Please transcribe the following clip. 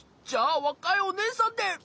じゃあわかいおねえさんで！